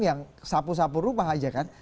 yang sapu sapu rupa aja